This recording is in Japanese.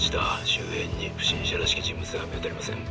周辺に不審者らしき人物は見当たりません」。